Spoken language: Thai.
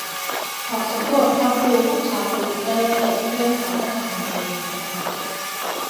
ขอสำรวจความรู้ ของชาวทวิตเตอร์เรื่อง รัฐธรรมนูญ กันหน่อย